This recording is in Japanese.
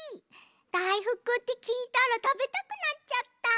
だいふくってきいたらたべたくなっちゃった。